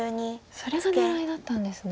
それが狙いだったんですね。